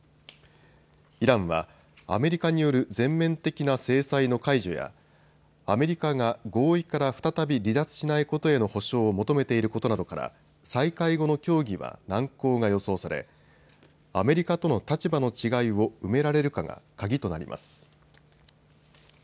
イランはアメリカによる全面的な制裁の解除やアメリカが合意から再び離脱しないことへの保証を求めていることなどから再開後も協議は難航が予想されアメリカとの立場の違いを埋められるかが鍵となります。